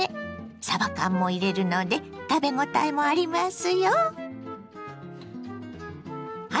さば缶も入れるので食べごたえもありますよ。